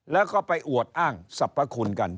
แล้วก็ไปอวดอ้างสรรพคุณกัน